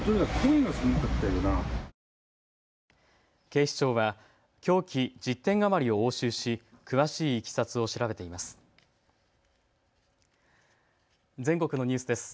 警視庁は凶器１０点余りを押収し詳しいいきさつを調べています。